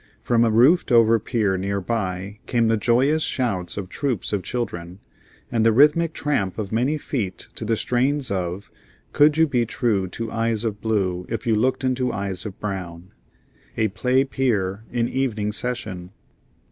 From a roofed over pier near by came the joyous shouts of troops of children, and the rhythmic tramp of many feet to the strains of "Could you be true to eyes of blue if you looked into eyes of brown?" A "play pier" in evening session.